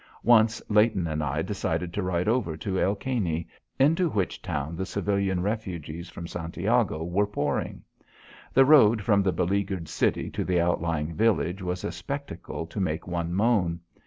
Once Leighton and I decided to ride over to El Caney, into which town the civilian refugees from Santiago were pouring. The road from the beleaguered city to the out lying village was a spectacle to make one moan.